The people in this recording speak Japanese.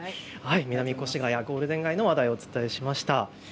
南越谷ゴールデン街の話題をお伝えしました。